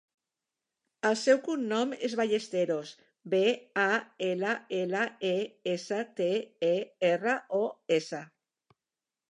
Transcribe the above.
El seu cognom és Ballesteros: be, a, ela, ela, e, essa, te, e, erra, o, essa.